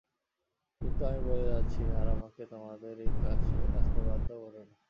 কিন্তু আমি বলে যাচ্ছি আর আমাকে তোমাদের এই ক্লাসে আসতে বাধ্য কোরো না।